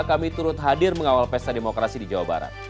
kami turut hadir mengawal pesta demokrasi di jawa barat